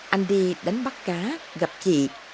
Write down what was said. anh đi đánh bắt cá gặp chị